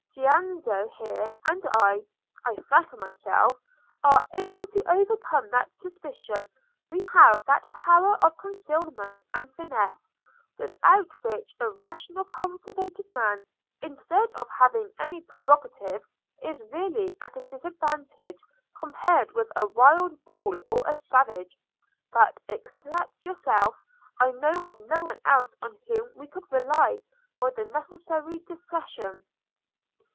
Giannozzo here, and I, I flatter myself, are able to overcome that suspicion; we have that power of concealment and finesse, without which a rational cultivated man, instead of having any prerogative, is really at a disadvantage compared with a wild bull or a savage. But, except yourself, I know of no one else on whom we could rely for the necessary discretion."